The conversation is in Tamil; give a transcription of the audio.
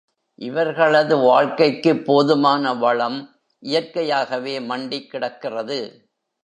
இவர்களது வாழ்க்கைக்குப் போதுமான வளம் இயற்கையாகவே மண்டிக் கிடக்கிறது.